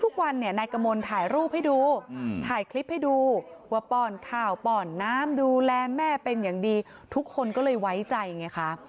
ทุกวันเนี่ยนายกมลถ่ายรูปให้ดูถ่ายคลิปให้ดูว่าป้อนข่าวป้อนน้ำดูแลแม่เป็นอย่างดีทุกคนก็เลยไว้ใจไงคะ